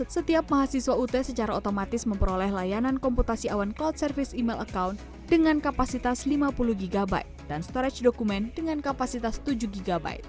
setiap mahasiswa ut secara otomatis memperoleh layanan komputasi awan cloud service email account dengan kapasitas lima puluh gb dan storage dokumen dengan kapasitas tujuh gb